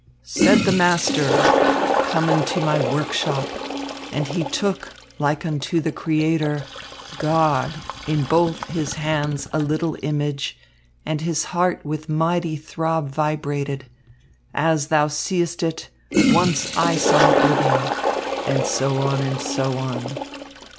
"Said the master: 'Come into my workshop.' And he took, like unto the Creator, God! in both his hands a little image, And his heart with mighty throb vibrated. 'As thou seest it, once I saw it living.' And so on, and so on.